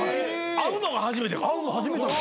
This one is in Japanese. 会うの初めて。